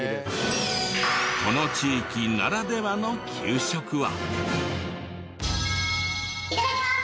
この地域ならではの給食は？